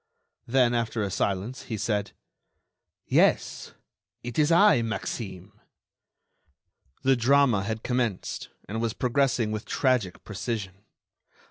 Then, after a silence, he said: "Yes, it is I, Maxime." The drama had commenced and was progressing with tragic precision.